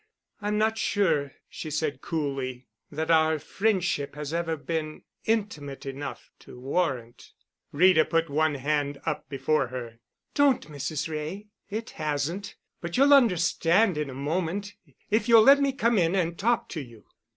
"I'm not sure," she said coolly, "that our friendship has ever been intimate enough to warrant——" Rita put one hand up before her. "Don't, Mrs. Wray! It hasn't. But you'll understand in a moment, if you'll let me come in and talk to you."